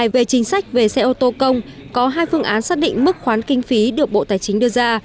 về chính sách về xe ô tô công có hai phương án xác định mức khoán kinh phí được bộ tài chính đưa ra